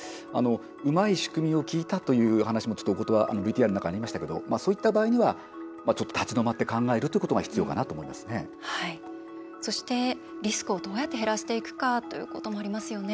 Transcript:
うまい仕組みを聞いたという話もちょっと、お言葉ＶＴＲの中にありましたけどそういった場合には、ちょっと立ち止まって考えるということがそして、リスクをどうやって減らしていくかということもありますよね。